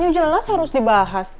ini jelas harus dibahas